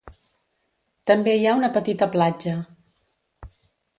També hi ha una petita platja.